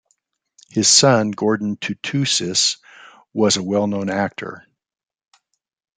His son Gordon Tootoosis was a well-known actor.